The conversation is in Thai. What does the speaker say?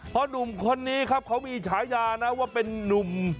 เพราะหนุ่มคนนี้ครับเขามีฉายานะว่าเป็นนุ่ม